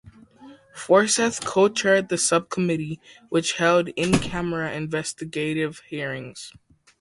Forseth co-chaired the sub-committee which held in-camera investigative hearings.